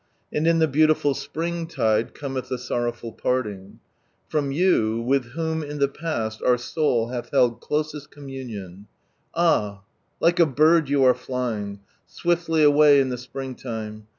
Anil In the beauliful >priQgii<[e cometh a sorrowful parting From you, with whom In the po il our (oiil huh held closest communion; Ah I like \ bird you ate Hfing, iwidly away in the springtime.